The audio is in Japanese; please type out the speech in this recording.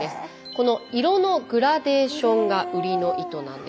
この色のグラデーションが売りの糸なんです。